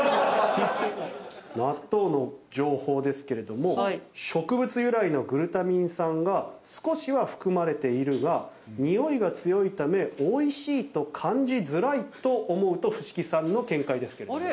納豆の情報ですけれども植物由来のグルタミン酸が少しは含まれているがにおいが強いため美味しいと感じづらいと思うと伏木さんの見解ですけれども。